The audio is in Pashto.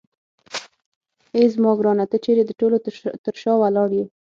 اې زما ګرانه ته چیرې د ټولو تر شا ولاړ یې.